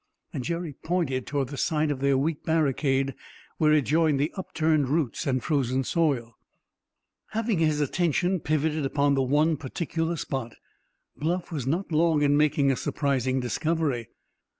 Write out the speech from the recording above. And Jerry pointed toward the side of their weak barricade, where it joined the upturned roots and frozen soil. Having his attention pivoted upon the one particular spot, Bluff was not long in making a surprising discovery.